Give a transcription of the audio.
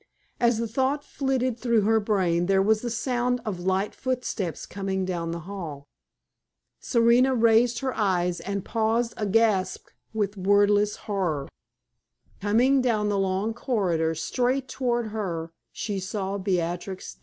As the thought flitted through her brain, there was the sound of light footsteps coming down the hall. Serena raised her eyes and paused aghast with wordless horror. Coming down the long corridor, straight toward her, she saw Beatrix Dane!